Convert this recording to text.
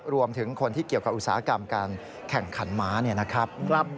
รวมถึงคนที่เกี่ยวกับอุตสาหกรรมการแข่งขันม้าเนี่ยนะครับ